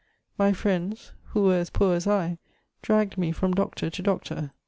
My friends, who were as poor as I, dragged me from doctor to doctor.